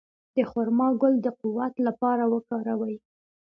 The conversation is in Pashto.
د خرما ګل د قوت لپاره وکاروئ